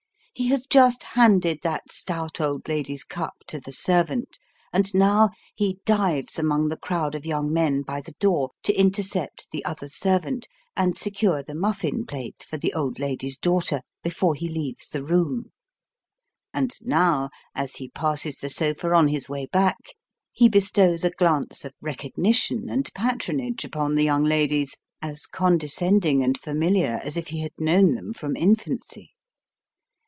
He has just handed that stout old lady's cup to the servant ; and now, he dives among the crowd of young men by the door, to intercept the other servant, and secure the muffin plate for the old lady's daughter, before he leaves the room ; and now, as he passes the sofa on his way back, he bestows a glance of recognition and patronage upon the young ladies, as condescending and familiar as if he had known them from infancy.